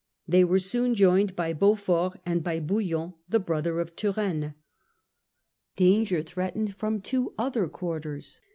They were soon joined by Beaufort and by Bouillon, the brother of Turenne. Danger threatened from two other quarters.